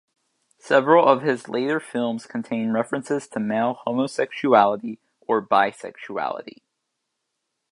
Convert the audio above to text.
Several of his later films contain references to male homosexuality or bisexuality.